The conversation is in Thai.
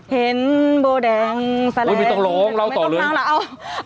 เห็นโบแดงแสลงนี่ไม่ต้องร้องร้องต่อเลยล้องต่อเลย